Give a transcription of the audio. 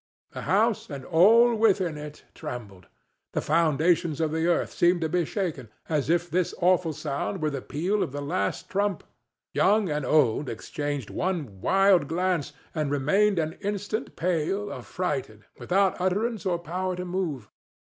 The house and all within it trembled; the foundations of the earth seemed to be shaken, as if this awful sound were the peal of the last trump. Young and old exchanged one wild glance and remained an instant pale, affrighted, without utterance or power to move.